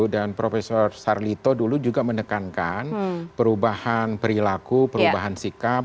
dan profesor sarlito dulu juga menekankan perubahan perilaku perubahan sikap